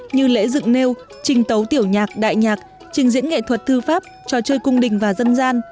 như lễ dựng nêu trình tấu tiểu nhạc đại nhạc trình diễn nghệ thuật thư pháp trò chơi cung đình và dân gian